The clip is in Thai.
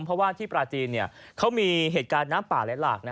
เพราะว่าที่ปราจีนเขามีเหตุการณ์น้ำป่าไหลหลาก